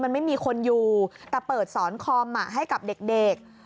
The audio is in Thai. มันไม่มีคนอยู่แต่เปิดสอนคอมให้กับเด็ก